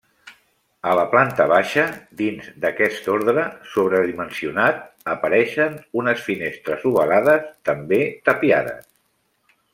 A la planta baixa, dins d'aquest ordre sobredimensionat apareixen unes finestres ovalades també tapiades.